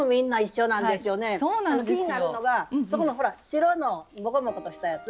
気になるのがそこのほらその白のモコモコとしたやつ